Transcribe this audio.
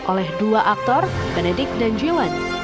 oleh dua aktor benedict dan gillan